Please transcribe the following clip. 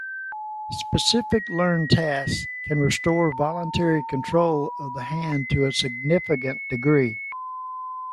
Specific learned tasks can restore voluntary control of the hand to a significant degree.